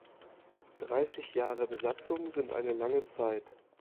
Dreißig Jahre Besatzung sind eine lange Zeit.